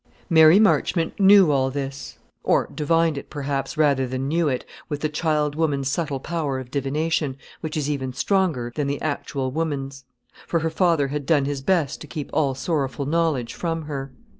Mary Marchmont knew all this, or divined it, perhaps, rather than knew it, with the child woman's subtle power of divination, which is even stronger than the actual woman's; for her father had done his best to keep all sorrowful knowledge from her.